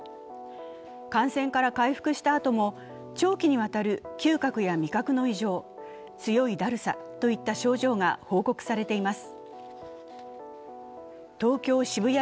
感染から回復したあとも、長期にわたる嗅覚や味覚の異常、強いだるさといった症状が報告されています。